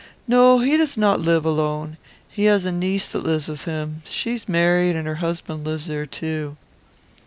"No, he does not live alone. He has a niece that lives with him. She is married, and her husband lives there too."